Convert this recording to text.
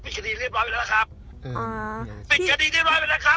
คดีเรียบร้อยไปแล้วครับอ๋อปิดคดีเรียบร้อยไปแล้วครับ